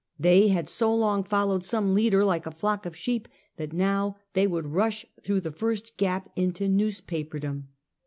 They had so long followed some leader like a flock of sheep, that now they would rush through the first gap into newspaperdom.